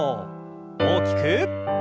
大きく。